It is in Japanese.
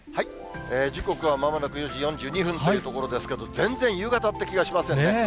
時刻はまもなく４時４２分というところですけど、全然、夕方って気がしませんね。